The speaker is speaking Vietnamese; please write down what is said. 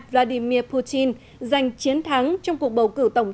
vladimir putin giành chiến thắng trong cuộc bầu vệ của nga